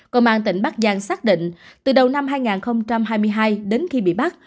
công an tỉnh bắc giang xác định từ đầu năm hai nghìn hai mươi hai đến khi bị bắt